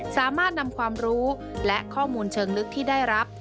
สามารถนำความรู้และข้อมูลเชิงลึกที่ได้รับ